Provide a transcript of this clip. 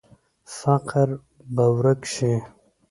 فقر به ورک شي؟